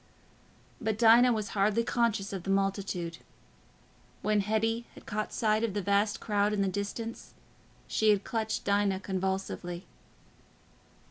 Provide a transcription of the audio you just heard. But Dinah was hardly conscious of the multitude. When Hetty had caught sight of the vast crowd in the distance, she had clutched Dinah convulsively.